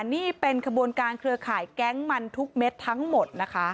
นี่เป็นขบวนการเครือข่ายแก๊งมันทุกเม็ดทั้งหมดนะคะ